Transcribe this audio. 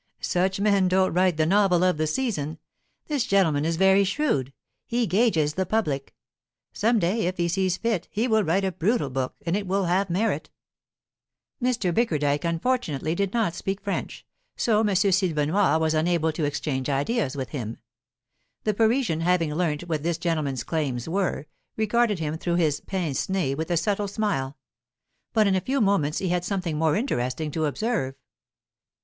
"Such men don't write 'the novel of the season.' This gentleman is very shrewd; he gauges the public. Some day, if he sees fit, he will write a brutal book, and it will have merit." Mr. Bickerdike unfortunately did not speak French, so M. Silvenoire was unable to exchange ideas with him. The Parisian, having learnt what this gentleman's claims were, regarded him through his pince nez with a subtle smile. But in a few moments he had something more interesting to observe.